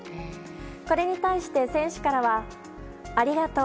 これに対して、選手からはありがとう。